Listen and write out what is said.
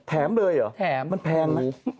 แถมเลยเหรอมันแพงมั้ยโอ้โห